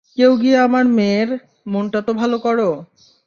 কেউ গিয়ে আমার মেয়ের, মনটা তো ভালো করো।